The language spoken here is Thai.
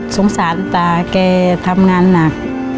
สงสารตาแกทำงานหนัก